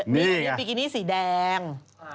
นี่อีกอ่ะนี่บิกินี่สีแดง